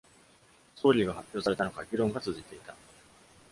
ストーリーが発表されたのか、議論が続いていた